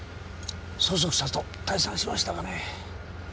そそくさと退散しましたがね。